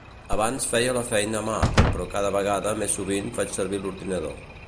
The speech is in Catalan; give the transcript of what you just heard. Abans feia la feina a mà, però cada vegada més sovint faig servir l'ordinador.